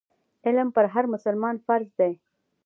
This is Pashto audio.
علم پر هر مسلمان فرض دی.